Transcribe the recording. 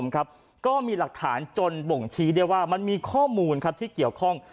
ก็มีหลักฐานจนบ่งชี้ได้ว่ามันมีข้อมูลที่เกี่ยวข้อง